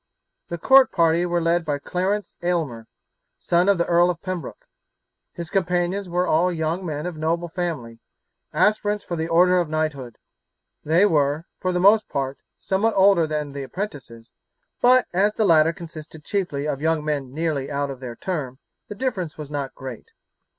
The court party were led by Clarence Aylmer, son of the Earl of Pembroke. His companions were all young men of noble family, aspirants for the order of knighthood. They were, for the most part, somewhat older than the apprentices, but as the latter consisted chiefly of young men nearly out of their term the difference was not great.